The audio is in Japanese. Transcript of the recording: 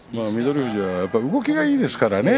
富士は動きがいいですからね